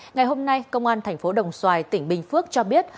ngày hôm nay công an tp đồng xoài tỉnh bình phước cho biết